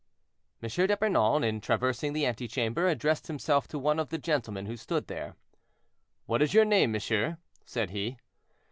M. D'Epernon, in traversing the antechamber, addressed himself to one of the gentlemen who stood there. "What is your name, monsieur?" said he.